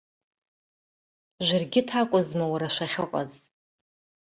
Жәыргьыҭ акәызма, уара, шәахьыҟаз?!